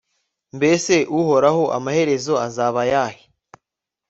mbese uhoraho, amaherezo azaba ayahe